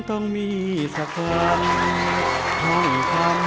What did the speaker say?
ต้องมีสักวันต้องมีสักวัน